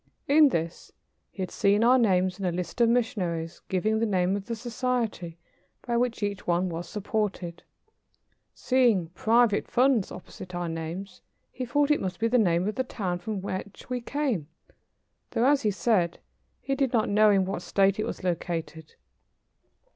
In this he had seen our names in a list of missionaries, giving the name of the society by which each was supported. Seeing "Private Funds" opposite our names, he thought it must be the name of the town from which we came, though, as he said, he did not know in what state it was located.